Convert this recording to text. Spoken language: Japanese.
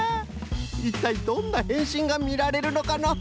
いったいどんなへんしんがみられるのかの？